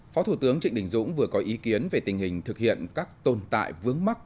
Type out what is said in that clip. phó thủ tướng trịnh đình dũng vừa có ý kiến về tình hình thực hiện các tồn tại vướng mắc